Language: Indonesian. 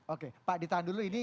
oke pak ditahan dulu